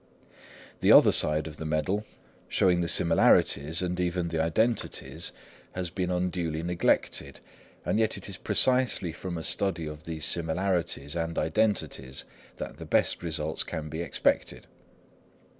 The other side of the medal, showing the similarities, and even the identities, has been unduly neglected; and yet it is precisely from a study of these similarities and identities that the best results can be expected.